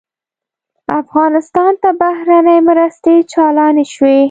افغانستان ته بهرنۍ مرستې چالانې شوې.